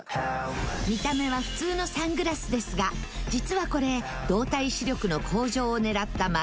見た目は普通のサングラスですが実はこれ動体視力の向上を狙ったマニアックな商品。